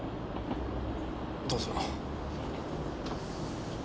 どうぞ。